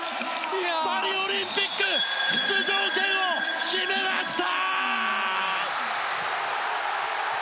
パリオリンピック出場権を決めました！